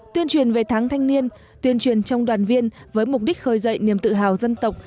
tuyên truyền về tháng thanh niên tuyên truyền trong đoàn viên với mục đích khơi dậy niềm tự hào dân tộc